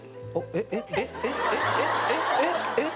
えっ？えっ？えっ？